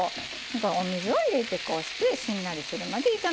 お水を入れてこうしてしんなりするまで炒めて下さい。